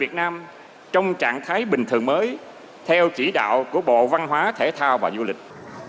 việt nam trong trạng thái bình thường mới theo chỉ đạo của bộ văn hóa thể thao và du lịch